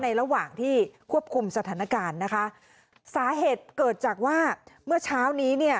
ระหว่างที่ควบคุมสถานการณ์นะคะสาเหตุเกิดจากว่าเมื่อเช้านี้เนี่ย